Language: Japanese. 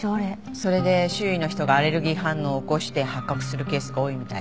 それで周囲の人がアレルギー反応を起こして発覚するケースが多いみたい。